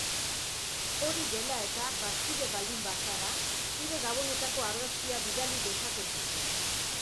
Hori dela eta, bazkide baldin bazara, zure gabonetako argazkia bidali dezakezu.